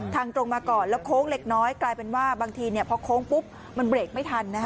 ตรงมาก่อนแล้วโค้งเล็กน้อยกลายเป็นว่าบางทีพอโค้งปุ๊บมันเบรกไม่ทัน